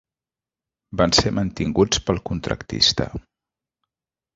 Van ser mantinguts pel contractista.